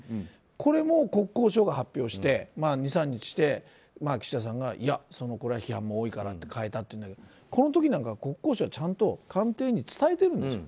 これも国交省が発表して２３日して岸田さんがこれは批判も多いからって変えたっていうんだけどこの時なんかは国交省はちゃんと官邸に伝えてるんですよ。